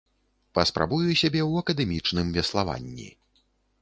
Паспрабую сябе ў акадэмічным веславанні.